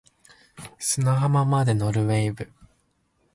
砂浜まで乗る wave